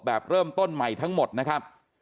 แบบเริ่มต้นใหม่ทั้งหมดนะครับ